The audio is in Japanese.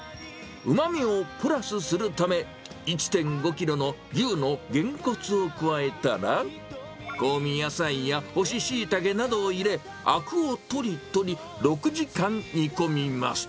うまみをプラスするため、１．５キロの牛のゲンコツを加えたら、香味野菜や干ししいたけなどを入れ、あくを取り取り６時間煮込みます。